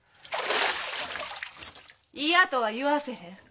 嫌とは言わせへん。